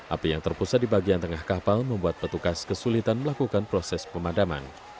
api yang terpusat di bagian tengah kapal membuat petugas kesulitan melakukan proses pemadaman